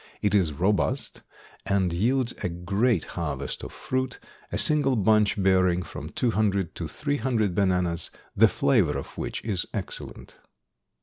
It is robust and yields a great harvest of fruit, a single bunch bearing from two hundred to three hundred bananas, the flavor of which is excellent.